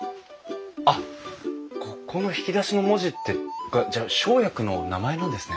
あっここの引き出しの文字ってじゃあ生薬の名前なんですね。